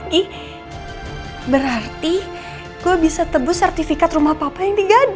jadi berarti gue bisa tebus sertifikat rumah papa yang digadi